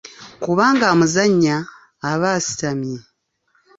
Kubanga amuzannya aba asitamye.